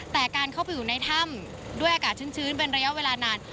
แต่การเข้าไปอยู่ในถ้ำด้วยอากาศชื้นเป็นระยะเวลานาน